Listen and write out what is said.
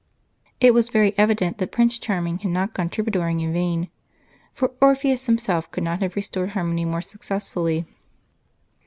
It was very evident that Prince Charming had not gone troubadouring in vain, for Orpheus himself could not have restored harmony more successfully.